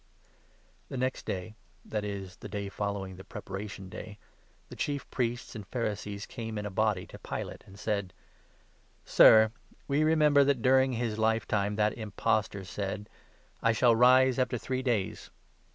The next day — that is, the day following the Preparation 62 Day — the Chief Priests and Pharisees came in a body to Pilate, and said : 63 "Sir, we remember that, during his lifetime, that impostor said ' I shall rise after three days.'